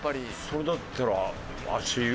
それだったら足湯？